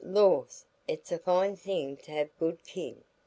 Lors, it's a fine thing to hev good kin.